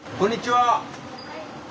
・はい。